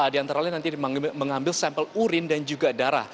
di antara lain nanti mengambil sampel urin dan juga darah